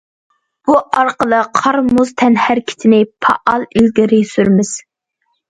بۇ ئارقىلىق قار- مۇز تەنھەرىكىتىنى پائال ئىلگىرى سۈرىمىز.